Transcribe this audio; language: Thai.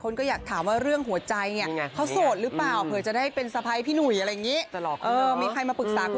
น้องกล้ายใช่ไหม